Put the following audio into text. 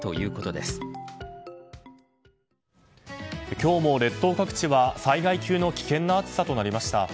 今日も列島各地は災害級の危険な暑さとなりました。